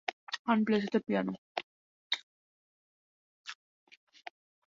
Han plays the piano.